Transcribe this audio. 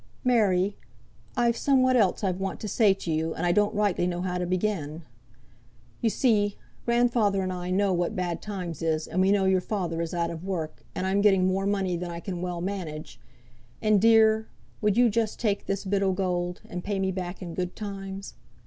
"Mary! I've somewhat else I want to say to you, and I don't rightly know how to begin. You see, grandfather and I know what bad times is, and we know your father is out o' work, and I'm getting more money than I can well manage; and, dear, would you just take this bit o' gold, and pay me back in good times?"